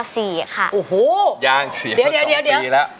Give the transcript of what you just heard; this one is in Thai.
โอ้โหยางเสียงดีแล้ว